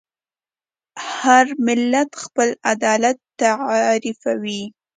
هر ملت خپل عدالت تعریفوي.